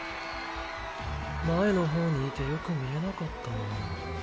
前のほうにいてよく見えなかったな。